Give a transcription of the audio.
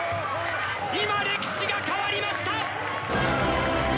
今、歴史が変わりました！